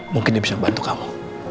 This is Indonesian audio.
mungkin dia bisa bantu kamu